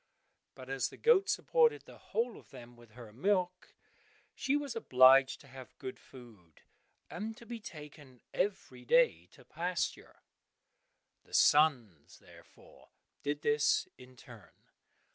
But as the goat supported the whole of them with her milk, she was obliged to have good food, and to be taken every day to pasture. The sons, therefore, did this, in turn.